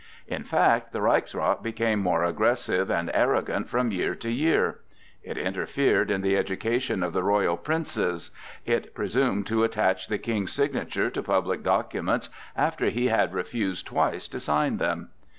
In fact, the Reichsrath became more aggressive and arrogant from year to year. It interfered in the education of the royal princes. It presumed to attach the King's signature to public documents after he had refused twice to sign them.